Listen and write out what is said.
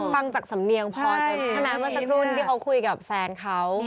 ฟังจากสำเนียงพอเจอสักรุ่นที่เขาคุยกับแฟนเขา